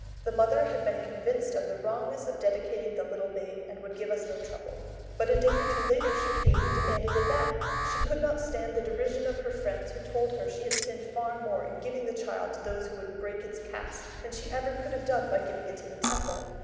The mother had been convinced of the wrongness of dedicating the little babe, and would give us no trouble. But a day or two later, she came and demanded it back. She could not stand the derision of her friends, who told her she had sinned far more in giving her child to those who would break its caste than she ever could have done had she given it to the Temple.